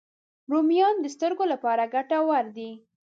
رومیان د سترګو لپاره ګټور دي